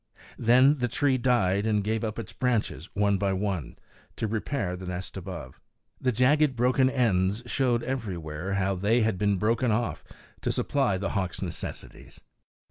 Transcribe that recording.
Then the tree died and gave up its branches, one by one, to repair the nest above. The jagged, broken ends showed everywhere how they had been broken off to supply the hawks' necessities.